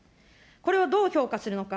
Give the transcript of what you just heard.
これをどう評価するのか。